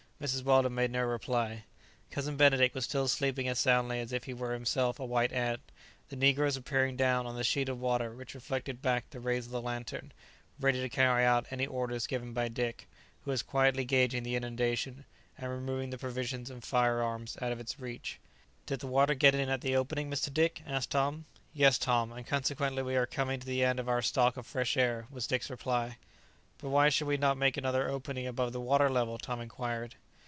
Mrs. Weldon made no reply. Cousin Benedict was still sleeping as soundly as if he were himself a white ant; the negroes were peering down on to the sheet of water which reflected back the rays of the lantern, ready to carry out any orders given by Dick, who was quietly gauging the inundation, and removing the provisions and fire arms out of its reach. [Illustration: They set to work to ascertain what progress the water was making.] "Did the water get in at the opening, Mr. Dick?" asked Tom. "Yes, Tom, and consequently we are coming to the end of our stock of fresh air," was Dick's reply. "But why should we not make another opening above the water level?" Tom inquired.